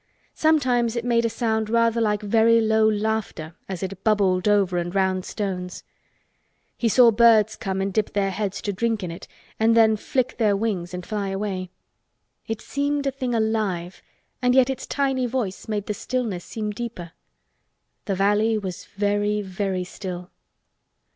Sometimes it made a sound rather like very low laughter as it bubbled over and round stones. He saw birds come and dip their heads to drink in it and then flick their wings and fly away. It seemed like a thing alive and yet its tiny voice made the stillness seem deeper. The valley was very, very still.